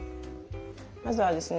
まずはですね